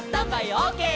オーケー！」